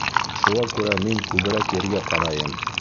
Шуға күрә мин күберәк ергә ҡарайым.